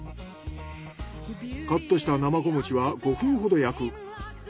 カットしたなまこ餅は５分ほど焼く。